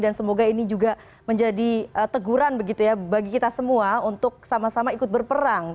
dan semoga ini juga menjadi teguran begitu ya bagi kita semua untuk sama sama ikut berperang